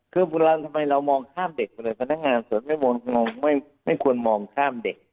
คือเวลาทำไมเรามองข้ามเด็กไปเลยพนักงานสวนไม่ควรมองข้ามเด็ก